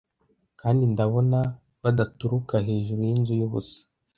Kandi ndabona badaturuka hejuru yinzu yubusa.